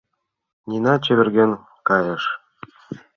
Нина чеверген кайыш.